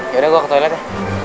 ya udah gua ke toilet ya